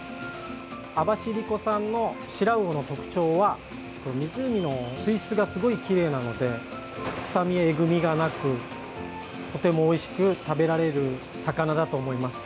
網走湖産のシラウオの特徴は湖の水質がすごいきれいなので臭み・えぐみがなくとてもおいしく食べられる魚だと思います。